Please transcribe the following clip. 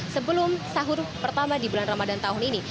sebelum sahur pertama di bulan ramadan tahun ini